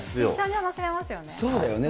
そうだよね。